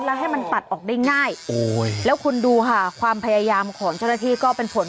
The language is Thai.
แล้วให้มันตัดออกได้ง่ายแล้วคุณดูค่ะความพยายามของเจ้าหน้าที่ก็เป็นผล